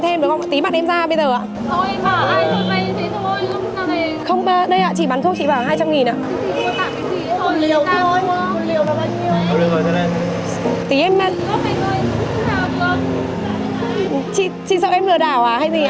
tý em quay lại em giả em chắc chắn em giả đảo